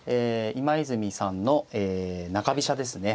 今泉さんの中飛車ですね。